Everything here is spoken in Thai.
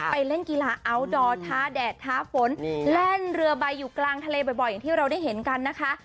เล่นกีฬาอัลดอร์ท้าแดดท้าฝนแล่นเรือใบอยู่กลางทะเลบ่อยอย่างที่เราได้เห็นกันนะคะ